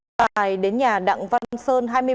tài đến nhà đặng văn sơn